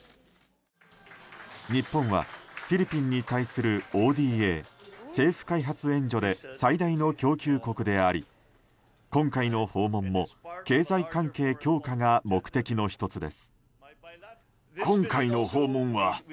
日本はフィリピンに対するＯＤＡ・政府開発援助で最大の供給国であり今回の訪問も経済関係強化が目的の１つです。